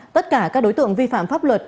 tất cả các đối tượng vi phạm pháp luật